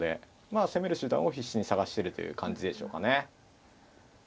攻める手段を必死に探してるという感じでしょうかね。